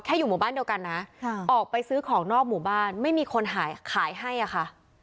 อยู่หมู่บ้านเดียวกันนะออกไปซื้อของนอกหมู่บ้านไม่มีคนขายให้อะค่ะ